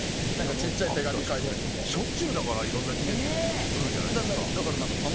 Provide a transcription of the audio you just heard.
しょっちゅういろんな記念日が来るじゃないですか。